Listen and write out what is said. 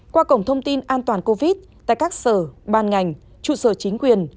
qua cổng thông tin an toàn covid tại các sở ban ngành trụ sở chính quyền